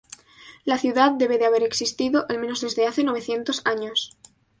La ciudad debe de haber existido al menos desde hace novecientos años.